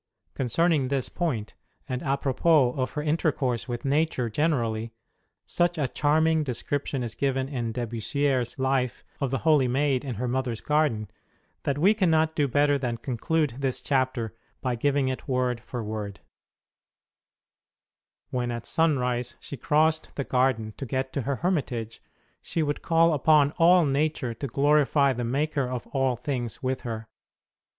Concerning this point, and a propos of her intercourse with Nature generally, such a charming description is given in De Bussierre s Life of the holy maid in her mother s garden, that we cannot do better than conclude this chapter by giving it word for word : When, at sunrise, she crossed the garden to get to her hermitage, she would call upon all Il6 ST. ROSE OF LIMA Nature to glorify the Maker of all things with her.